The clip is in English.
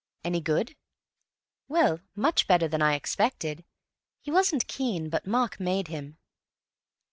"Any good?" "Well, much better than I expected. He wasn't keen, but Mark made him."